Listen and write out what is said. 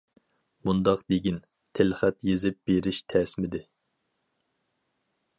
-مۇنداق دېگىن، تىلخەت يېزىپ بېرىش تەسمىدى.